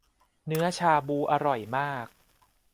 เนื้อชาบูอร่อยมาก